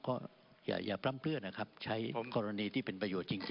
ก็อย่าปล้ำเพื่อนนะครับใช้กรณีที่เป็นประโยชน์จริง